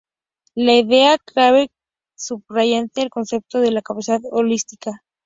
La idea clave subyacente al concepto de es la capacidad holística.